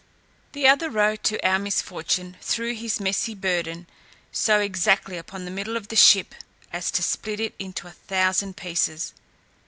The other roe, to our misfortune, threw his messy burden so exactly upon the middle of the ship, as to split it into a thousand pieces.